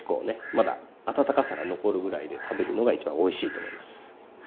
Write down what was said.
まだ温かさが残るぐらいで食べるのが一番おいしいと思います。